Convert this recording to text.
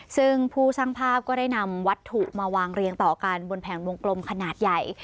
ซึ่งผู้ช่างภาพก็ได้นำวัตถุมาวางเรียงต่อกันบนแผงวงกลมขนาดใหญ่